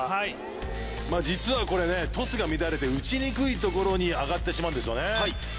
実はこれトスが乱れて打ちにくいところに上がってしまうんです